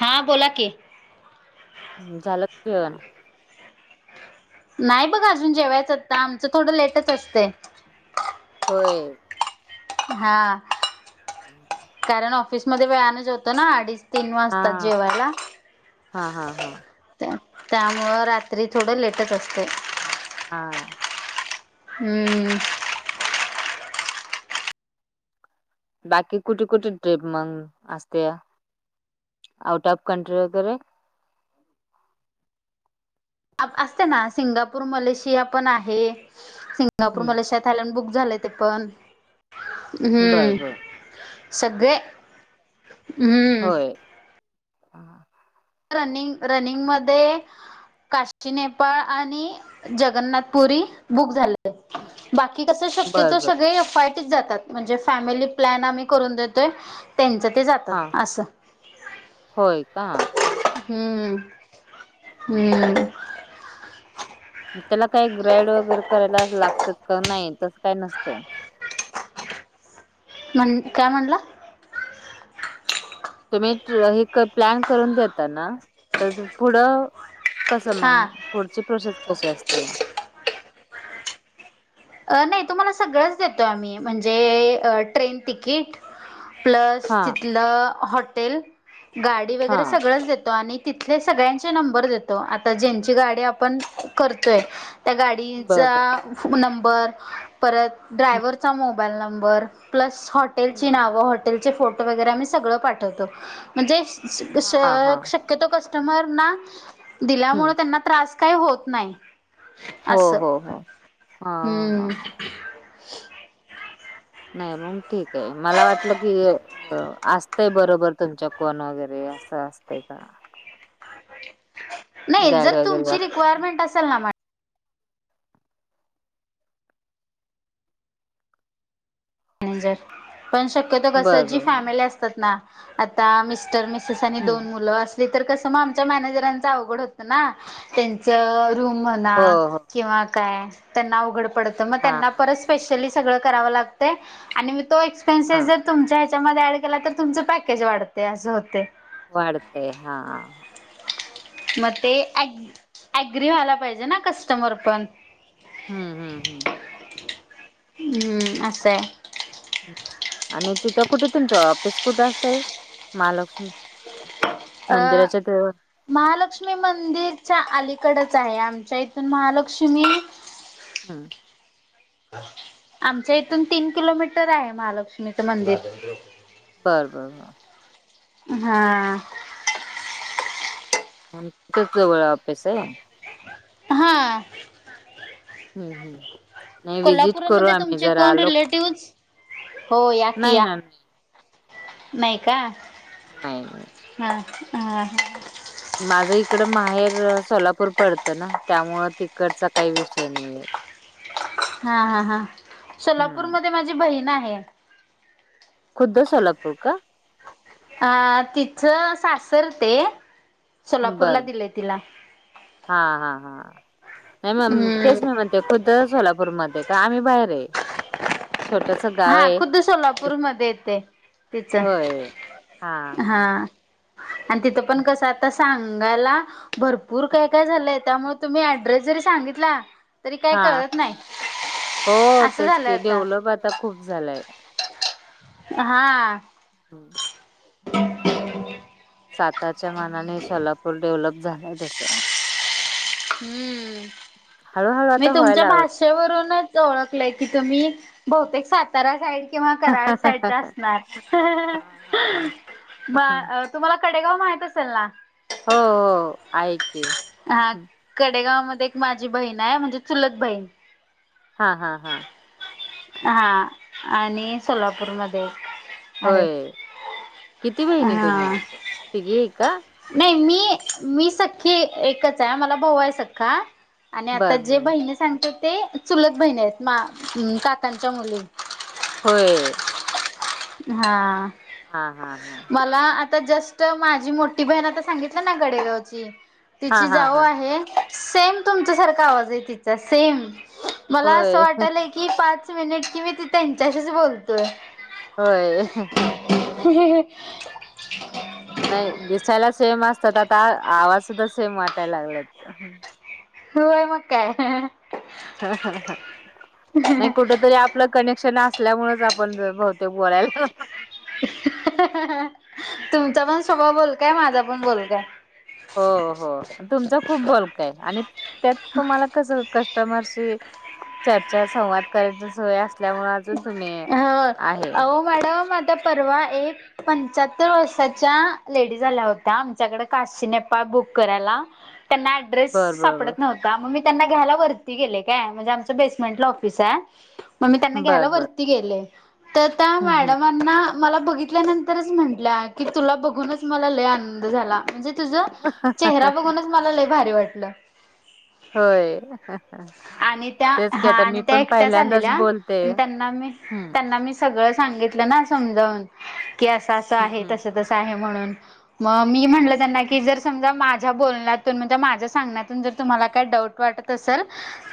हा बोला की. झाल का जेवन? नाही बघा अजून जेवायचं आता. आमचं थोडं लेटच असतय. होय. हा. हा. कारण ऑफिसमध्ये वेळानं जेवतो ना. अडीच तीन हा वाजतात जेवायला? हा हा हा त्या त्यामुळं रात्री थोडं लेटच असतय? हा. हम्म. बाकी कुठे कुठे ट्रिप मग असतया आउट ऑफ कंट्री वगैरे. असते ना सिंगापूर मलेशिया पण आहे सिंगापूर हम्म मलेशिया. बुक झालं ते पण बर हम्म बर सगळे हम्म. होय रनिंग रनिंग मध्ये. काष्ठी नेपाळ आणि जगन्नाथपुरी बुक झालय. बाकी कस बर शक्यतो बर सगळे फाइट जातात म्हणजे फॅमिली प्लन आम्ही करून देतोय त्यांच ते जातात हा असं होय का? हम्म हा हम्म. त्याला काही ग्रॅड वगैरे करायला लागतच का नाही तसं काय नसतय. काय म्हण काय म्हणला? तुम्ही हे क प्लॅन करून देताता ना तर पुढं कस मग हा पुढची प्रोसेस कशी असते अ नाही तुम्हाला सगळंच देतोय आम्ही म्हणजे ट्रेन तिकीट प्लस हा तिथलं हॉटेल गाडी हा वगैरे सगळंच देतो आणि तिथले सगळ्यांचे नंबर देतो आता ज्यांची गाडी आपण करतोय? त्या बर गाडीचा बर नंबर परत ड्रायव्हरचा मो मोबाईल नंबर प्लस हॉटेल ची नाव हॉटेल चे फोटो वगैरे आम्ही सगळं पाठवतो. म्हणजे हा हा शक्यतो कस्टमरना हम्म दिल्यामुळे त्यांना त्रास काही होत नाही. हो, असं हो, हो. हां, हम्म. हां. नाही मंग ठीक आहे मला वाटलं की अ आस तय बरोबर तुमच्या कोण वगैरे आसं आसतय का? नाही गाईड जर वगैरे तुमची असतं. रिक्वायरमेंट असेल ना मॅ नेजत पण शक्यतो कस बरं, जी बरं, बरं. फॅमिली असतात ना आता मिस्टर, मि सेस आणि हं, दोन हं. मुलं अस ली तर कस आमच मॅनेजराचं अवघड होत ना तेच रूम म्हणा हो, हो. किंवा काय त्यांना अवघड पडतं म हां, त्यांना हां, परत स्पेशली सगळं करावं लागतय आणि म तो एक्सपेन्सेस हां. जर तुमच्या ह्याच्यामध्ये ऍड केला तर तुमचं पॅकेज वाढत य आसं होतय. वाढतय हा. म ते ॲ ॲग्री व्हायला पाहिजे ना कस्टमर पण. हुं, हुं, हुं, हुं आस हाय. हम्म आणि तिथं कुठे तुमचं ऑफिस कुठं असतय? महालक्ष्मी अ मंदिराच्या जवळ? महालक्ष्मी मंदिरच्या अलीकडच आहे, आमच्या इथून महालक्ष्मी हम्म आमच्या इथून तीन किलोमीटर आहे महालक्ष्मीच मंदिर. बरं बरं हां. आणि तिथंच जवळ ऑफिस आहे? हां. हुं, हुं, कोल्हापुरामध्ये तुमची कोण रिलेटिव्हज? हो या कि नाही या. ना, नाही. नाही का? नाही. हा, हा, हा. माझं इकडं माहेर सोलापूर पडतं ना, त्यामुळं तिकडचा काही विषय नाहीेये. [inaudible] हा, हा, हा, सोलापूरमध्ये माझी बहीण आहे. खुद्द सोलापूर का? हा तिचं सासर ते सोलापूरला बर दिलय तिला हा, हा, हा, नाही म हम्म तेच मी म्हणते खुद्द सोलापूरमधे का? आम्ही बाहेर आहे. छोटस गाव हा आहे. खुद्द सोलापूरमध्ये येते तिचं होय. हा, हा. आणि तिथं पण कसं आता सांगायला भरपूर काय काय झालंय त्यामुळ तुम्ही ऍड्रेस जरी सांगितला तरी काय कळत हां नाही हो असं तेच झालं की आता डेव्हलप आता खूप झालय. हां. हम्म. सातारच्या मानाने सोलापूर डेव्हलप झालाय तसं हम्म नाही हळूहळू मी आता तुमच्या व्हायला लागलं. भाषे षेवरुनच ओळखले की तुम्ही बहुतेक साता रा साईड किंवा कराड साईडच्या हा असणार. हा हा म अ तुम्हांला कडेगाव माहीत असेल ना? हो हो आहे की. कडेगाव मध्ये एक माझी बहीण आहे म्हणजे चुलत बहीण हां हां हा. हां आणि सोलापूरमध्ये आहे. होय किती बहिणी हा तुम्ही तिघी आहे का? नाही मी मी सख्खी एकच आहे मला भाऊ आहे सख्खा आणि आता बर जे बर बहिणी सांगतात ते चुलत बहिणी आहेत काकांच्या मुली होय. हा हा हा हा मला आता जास्त तर माझी मोठी बहिण आता सांगितलं ना गडेगावची हा तिची हा जाऊ हा आहे. सेम तुमच्या सारखा आवाज आहे तिचा सेम मला असं होय वाटायचं की की पाच मिनिट कि मी ती त्यांच्याशीच बोलतोय. होय हं हं ह् [unintelligible] नाही दिसायला सेम असतात आता आवाज सुद्धा सेम वाटायला लागलेत. होय मग काय? [unintelligible] ह ह ह नाही कुठं तरी आपण आपलं कनेक्शन असल्यामुळेच आपण ज बहुतेक बोलायला. तुमचा पण स्वभाव बोलका हाय, माझा पण बोलका हाय हो हो तुमचा खूप बोलका हाय आणि त्यात तुम्हाला कस कस्टमरशी चर्चा संवाद करायचा सवय अस असल्यामुळे अजून तुम्ही आहे वाडा म आता परवा एक पंच्याहत्तर वर्षाच्या लेडीज आल्या होत्या आमच्याकड काशी, नेपाळ बुक करायला त्यनां ड्रेस बर बर बर सापडत नव्हता म मी त्यांना घ्यायला वरती गेले काय, म्हणजे आमचं बेसमेंटला ऑफिस हाय त्यांना घ्याला बर बर वरती गेले, तर त्या हम्म हम्म मॅडमांना मला बघितल्यानंतरच म्हंटल्या, की तुला बघूनच मला लय आनंद झाला म्हणजे तुझा चेहरा बघूनच मला लय भारी वाटलं. होय आणि त्या, तेच की हा आता मी आणि त्या पण एकट्याच पहिल्यांदाच आलेल्या बोलते हम्म त्यांना मी, त्यांना मी सगळं सांगितलं ना समजावून, की असं असं हम्म आहे हम्म तसं तसं आहे म्हणून मग मी म्हटलं त्यांना की जर समजा माझ्या बोलण्यातून म्हणजे माझ्या सांगण्यातून जर तुम्हाला काय डाऊट वाटत असल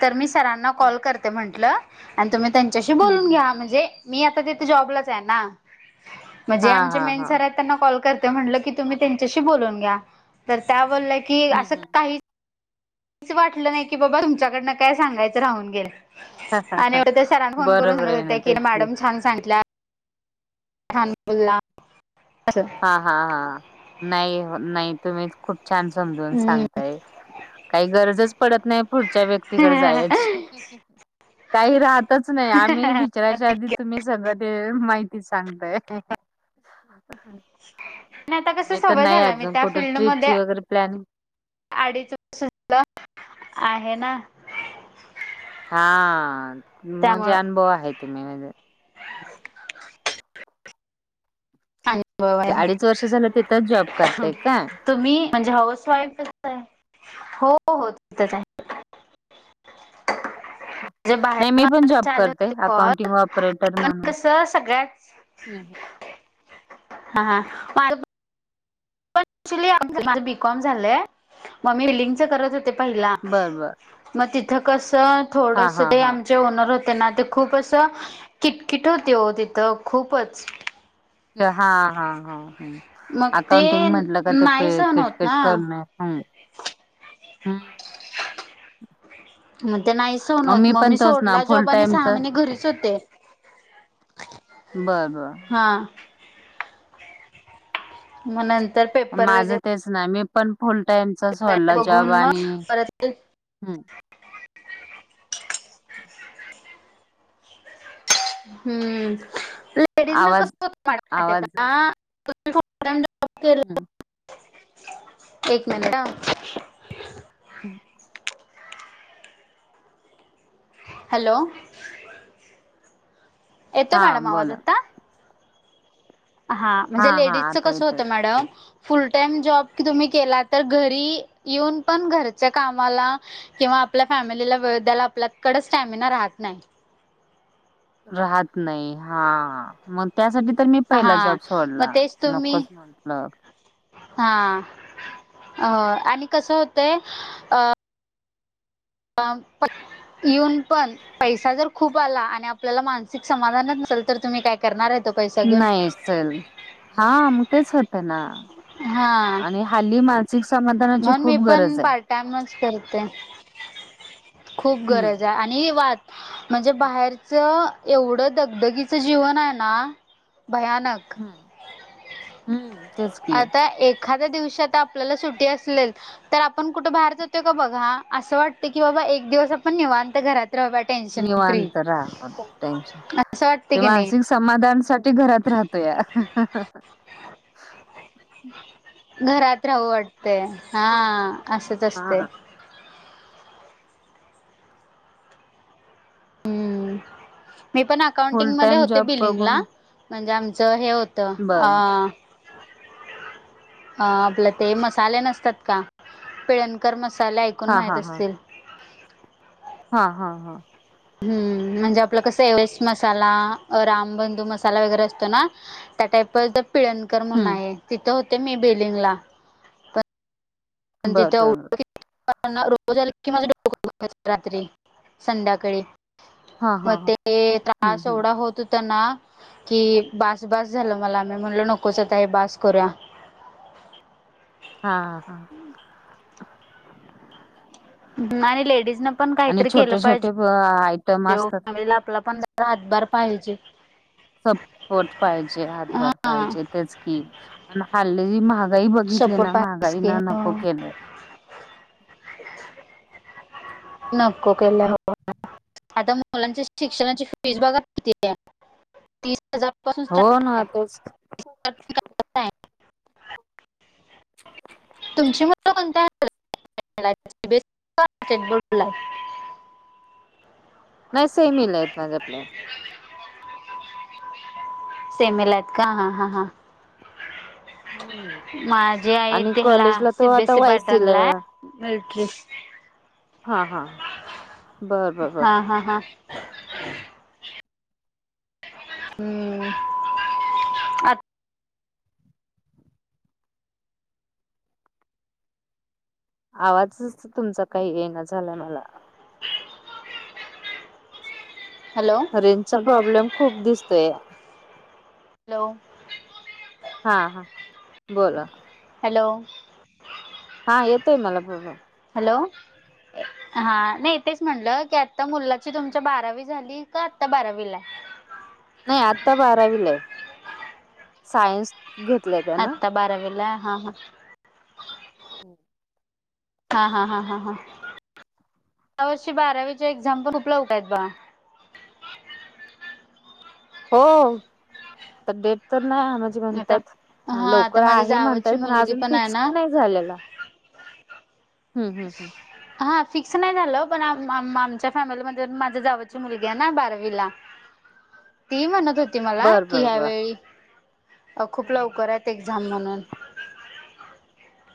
तर मी सरांना कॉल करते म्हंटलं आणि तुम्ही त्यांच्याशी हम्म बोलून हम्म घ्या म्हणजे मी आता तिथे जॉबलाच आहे ना, हा म्हणजे आमचे हा हा मेनसर आहेत त्येना कॉल करते म्हटलं की तुम्ही त्यांच्याशी बोलून घ्या, तर त्या बोलल्या की हम्म असं हम्म. काहीच अस वाटलं नाही कि बाबा तुमच्याकडनं काय सांगायचं राहून गेलं आणि एवढ सरांन फोन करून बरोबर सांगत आहे ना होत्या कि तेच की मॅडम छान सांगितल्या. छान बोलला असंच हा, हा, हा नाही, नाही तुम्ही खूप छान समजून हम्म. सांगताय काय गरजच पडत नाही पुढच्या व्यक्तीकडे जायाची काही राहतच नाही आम्ही बी विचाराच्या आधी आणि तुम्ही सगळं ते माहिती सांगताय नाही आता कसं मी तर सवय नाही झालीया मी अजून त्या कुठं फीलल्डमध्ये ट्रिपची वगैरे प्लॅनिंग अडीचस [unintelligible] आहे ना हा म्हणजे त्यामुळं अनुभव आहे तुम्ही म्हणजे म्हणजे अनुभव अडीच वर्ष झालं तिथंच जॉब हाय करताय का? तुम्ही म्हणजे हाऊस वाईफच हाय? हो हो तिथंच हाय म्हणजे नाही बाहेर मी पण मला जॉब तसे आले करते होते कॉल अकाउंटिंग ऑपरेटर पण म्हणून कसं सगळ्यात हम् हा, हा [unintelligible] अकच्युली माझं बीकॉम झालंय मग मी बलिंगच करत होते पहिला बर बर मग तिथं कसं हा थोडस हा ते हा आम चे ओनर होते ना ते खूप असं, किटकिट होते वो तिथं खूपच हा हा ह ह मग ते अकाउंटिंग म्हंटलं का ते नाही सहन होत किटकिट ना करल हम ह [unintelligible] मग ते नाही सहण होत मग पण मी तोच ना सोडला फुल जॉब आणि टाइमच सहा महिने घरीच होते. बर बर हां मग नंतर पेप माझं तेच ना मी पण फुल टाईमचच सोडला जॉब बघून मग आणि परत हम्म लेडीज ना कस आवाज [unintelligible] आवाज का, [unintelligible] एक मिनिट ह. हम् हॅलो, येतो हा मॅडम आवाज बोला आता? हा म्हणजे हा लेडीजचं आता कसं येतोय. होतं मॅडम फुल टाइम जॉब तुम्ही केला तर घरी येऊन पण घरच्या कामाला किंवा आपल्या फॅमिलीला वेळ द्याला आपल्याकडे स्टॅमिना राहत नाही. राहत नाही हा मग त्यासाठी तर मी पहिला हा जॉब सोडला मग तेच तुम्ही नक्कोच म्हटलं. हा अ आणि कस होतय अ येऊन पण, पैसा जर खूप आला आणि आपल्याला मानसिक समाधानच नसेल तर तुम्ही काय करणार ये तो पैसा घेऊन नाहीच तर हा मग तेच होतय ना, हा हाली मा नसिक समाधान म्हणून मी पण पार्ट टाइमच करते. खूप गरज हम्म. आहे आणि म्हणजे बाहेरच एवढं दगदगीचं जीवन आहे ना भयानक. हम् हम्म तेच, आता एखाद्या दिवशी आपल्याला सुटी असलेल तर आपण कुठं बाहेर जातोय का बघा असं वाटतं की बाबा एक दिवस आपण निवांत घरात राहूयात. निवांत राहा टेन्शन असं वाटते ते की नाही मानसिक समाधानसाठी घरात राहतोया. घरात राहू वाटतय हा असच असतय. हा हम्म मी पण फुल अकाउंटिंग मध्ये टाइम होते जॉब बिलिंगला बघून म्हणजे आमचं हे होतं बर अ [inaudible] अ आपलं ते मसाले नसतात का पिळणकर मसाले ऐकून हा माहित हा हा असतील हा हा हा हम्म म्हणजे आपलं कसं एव्हरेस्ट मसाला रामबंधू मसाला वगैरे असतो ना त्या टाईप ज पिळणकर म्हणून हम्म आहे तिथं होते मी बेलिंगला पण बर तिथं बर बर रोज आल की माझं डोक रात्री संध्याकाळी. हा हा मग हा ते हम्म त्रास हम्म एवढा होत हो ता ना कि बास बास झालं मला मी म्हणल नकोच आता हे बास करूया. हा हा. आणि लेडीज न पण केलं पाहिजे होय. जेव्हा फॅमिलीला आपला पण जरा हातभार पाहिजे. सपोर्ट पाहिजे हातभार हा पाहिजे तेच की आणि हल्ली महा- गाही बघितली सपोर्ट ना पाहिजे महागाईन की नको केलंय. नको केलय होय. आता मुलांची शिक्षणाची फीज बघा किती ऐ. तीस हजार पासून हो चालू ना आहे. तेच तुमची मुलं कोणते्या- नाही सेमीहल आहेत माझ्या आपलेट- सेमील आहेत का हा हा हां- हम माझे आयटयाला आता सीबी पाटण वायसीला ला मिट्रित- हा हा बर बर बर हा हा हा. हम्. आवाजच तुमचा काही येण झालाय मला- हॅलो. रेंजचा प्रॉब्लेम खूप दिसतोय. हा हॅलो. हा हा बोला. हॅलो. हा येतोय मला बोला. हॅलो. नाही हा नाही तेच म्हटलं की आत्ता मुलाची तुमच्या बारावी झाली का आत्ता बारावीला- नाही आता बारावीलाय सायन्स घेतलंय त्यान. आत्ता बारावीला हा हा. हो. हा हा हां ह हां यावर्षी बारावीच्या एक्झाम्पल पण उपलब्ध आहेत का बाळा हो तर डेट तर नाही आ-माझ ते आता म्हणतात हा आता लवकर माझ्या आहे जावाची म्हणतात पण मुलगी अजून आहे फिक्स ना नाही झालेला. हम्म हम् हम्. हा फिक्स नाही झालं पण आम आमच्या फॅमिलीमध्ये माझ्या जावची मुलगी आहे ना बारावीला नाही ती म्हणत होती मला की बर. ह्यावेेळी अ खूप लवकर आहेत एक्झाम म्हणून.